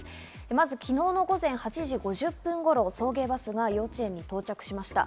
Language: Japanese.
まず昨日の午前８時５０分頃、送迎バスが幼稚園に到着しました。